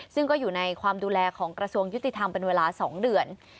ซึ่งก็อยู่ในความดูแลของกระทรวงยุติธรรมเป็นเวลา๒เดือน